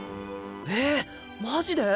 えマジで？